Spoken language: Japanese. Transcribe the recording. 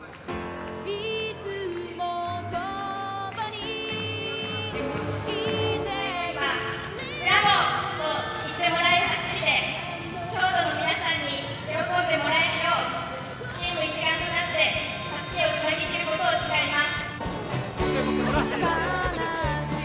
ブラボーと言ってもらえる走りで京都の皆さんに喜んでもらえるようチーム一丸となってたすきをつなぎきることを誓います。